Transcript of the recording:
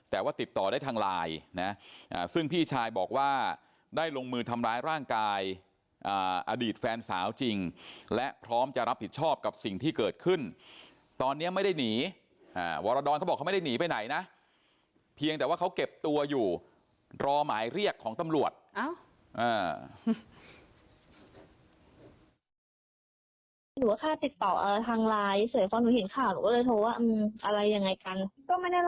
แต่ว่าติดต่อได้ทางไลน์นะซึ่งพี่ชายบอกว่าได้ลงมือทำร้ายร่างกายอดีตแฟนสาวจริงและพร้อมจะรับผิดชอบกับสิ่งที่เกิดขึ้นตอนนี้ไม่ได้หนีวรดรเขาบอกเขาไม่ได้หนีไปไหนนะเพียงแต่ว่าเขาเก็บตัวอยู่รอหมายเรียกของตำรวจ